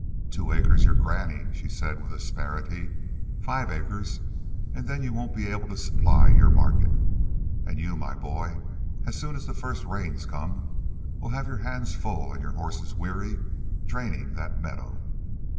"Two acres your granny," she said with asperity. "Five acres. And then you won't be able to supply your market. And you, my boy, as soon as the first rains come will have your hands full and your horses weary draining that meadow.